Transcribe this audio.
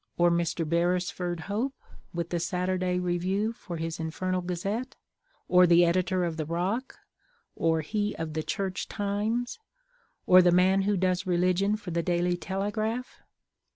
or Mr. Beresford Hope, with the Saturday Review for his infernal gazette? or the editor of the Rock? or he of the Church Times? or the man who does religion for the _Daily Telegraph?